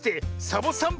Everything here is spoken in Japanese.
サボさん